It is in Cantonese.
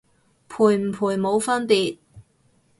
賠唔賠冇分別